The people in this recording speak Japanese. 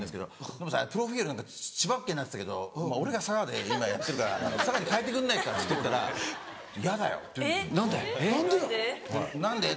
「ノブさプロフィルが何か千葉県になってたけど俺が佐賀で今やってるから佐賀に変えてくんないか」っつったら「嫌だよ」って言うんです。